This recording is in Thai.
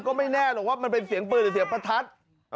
ก็ไม่แน่หรอกว่ามันเป็นเสียงปืนหรือเสียงประทัด